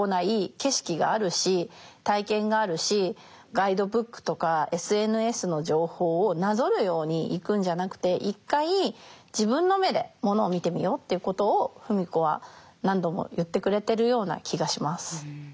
ガイドブックとかＳＮＳの情報をなぞるように行くんじゃなくて一回自分の目でものを見てみようっていうことを芙美子は何度も言ってくれてるような気がします。